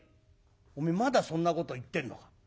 「おめえまだそんなこと言ってんのか。